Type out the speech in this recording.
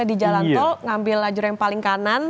di jalan tol ngambil lajur yang paling kanan